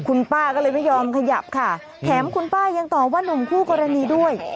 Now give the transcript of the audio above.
คุณป้าก็เลยไม่ยอมขยับค่ะแถมคุณป้ายังตอบว่านุ่มคู่กรณีด้วย